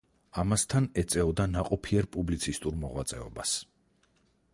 ამასთან, ეწეოდა ნაყოფიერ პუბლიცისტურ მოღვაწეობას.